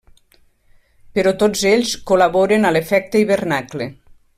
Però tots ells col·laboren a l’efecte hivernacle.